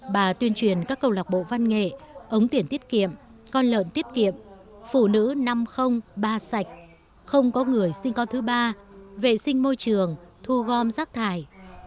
bà tuyên truyền các câu lạc bộ văn nghệ ống tiện tiết kiệm con lợn tiết kiệm phụ nữ năm trăm linh ba sạch không có người sinh con thứ ba vệ sinh môi trường thu gom rác thải